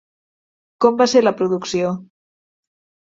Com va ser la producció?